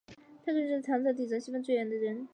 他可能是唐朝抵达西方最远的人。